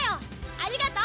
ありがとう。